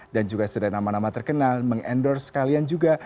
dan juga sederhana nama nama terkenal meng endorse kalian juga